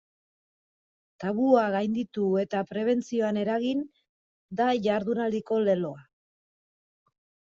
Tabua gainditu eta prebentzioan eragin da jardunaldiko leloa.